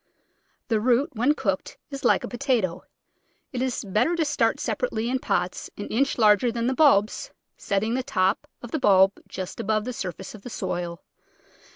The root when cooked is like a potato. It is better to start sepa rately in pots an inch larger than the bulbs, setting the top of the bulb just above the surface of the soil.